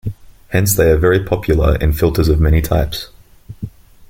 Hence they are very popular in filters of many types.